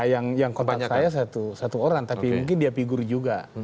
yang kontak saya satu orang tapi mungkin dia figur juga